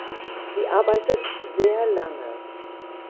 Sie arbeitet sehr lange.